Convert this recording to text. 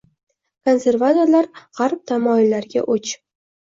Konservatorlar gʻarb taommillariga oʻch.